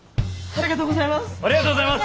ありがとうございます！